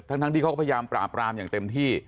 ทั้งที่เขาก็พยายามปราบรามอย่างเต็มที่